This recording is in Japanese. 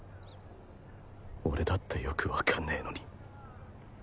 俺だってよくわかんねぇのに